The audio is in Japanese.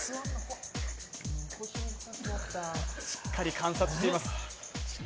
しっかり観察しています。